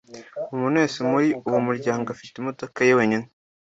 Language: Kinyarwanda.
Umuntu wese muri uwo muryango afite imodoka ye wenyine